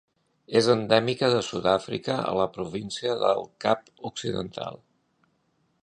És endèmica de Sud-àfrica a la província del Cap Occidental.